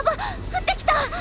降ってきた！